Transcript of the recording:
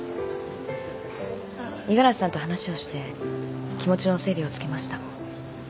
五十嵐さんと話をして気持ちの整理をつけました。